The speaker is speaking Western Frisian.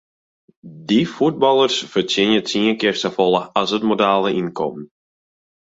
Dy fuotballers fertsjinje tsien kear safolle as it modale ynkommen.